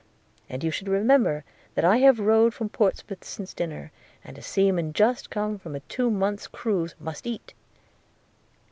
– and you should remember that I have rode from Portsmouth since dinner, and a seaman just come from a two months cruise must eat.'